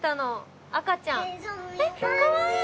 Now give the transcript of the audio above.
かわいい！